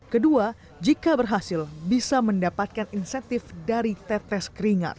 kedua jika berhasil bisa mendapatkan insentif dari tetes keringat